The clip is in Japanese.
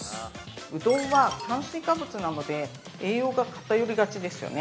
うどんは炭水化物なので、栄養価が偏りがちですよね。